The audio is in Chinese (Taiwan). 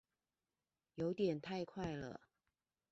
有點太快了